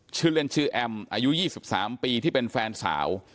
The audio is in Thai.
ชื่อเล่นชื่อแอมอายุ๒๓ปีที่เป็นแฟนสาว